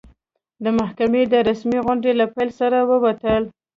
د محکمې د رسمي غونډې له پیل سره ووتل.